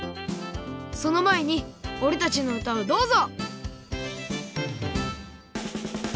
そのまえにおれたちのうたをどうぞ！